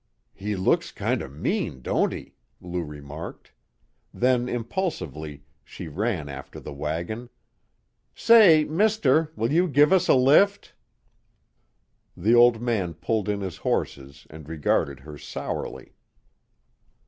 "He looks kinder mean, don't he?" Lou remarked. Then impulsively she ran after the wagon: "Say, mister, will you give us a lift?" The old man pulled in his horses and regarded her sourly.